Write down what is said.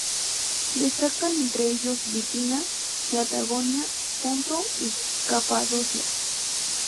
Destacan entre ellos Bitinia, Paflagonia, Ponto y Capadocia.